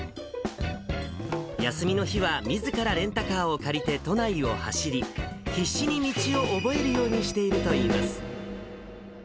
休みの日は、みずからレンタカーを借りて都内を走り、必死に道を覚えるようにしているといいます。